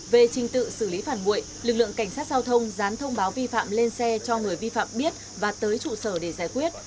về trình tự xử lý phạt nguội lực lượng cảnh sát giao thông dán thông báo vi phạm lên xe cho người vi phạm biết và tới trụ sở để giải quyết